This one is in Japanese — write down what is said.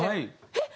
えっ！